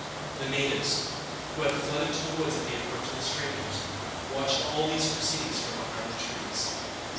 The natives, who had fled into the woods at the approach of the strangers, watched all these proceedings from behind the trees.